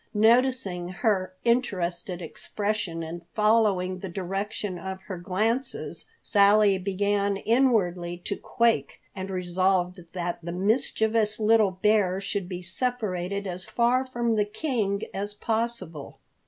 Noticing her interested expression and following the direction of her glances, Sally began inwardly to quake, and resolved that the mischievous little bear should be separated as far from the King as possible.